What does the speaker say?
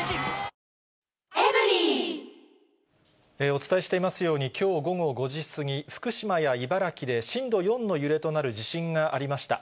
お伝えしていますように、きょう午後５時過ぎ、福島や茨城で震度４の揺れとなる地震がありました。